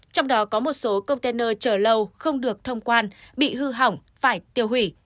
trong đó có một số container chở lâu không được thông quan bị hư hỏng phải tiêu hủy